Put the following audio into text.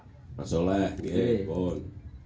muhammad soleh yee pun